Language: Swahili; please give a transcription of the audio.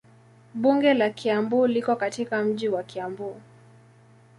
Bunge la Kiambu liko katika mji wa Kiambu.